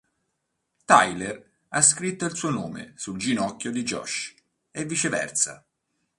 Tyler ha scritto il suo nome sul ginocchio di Josh e viceversa.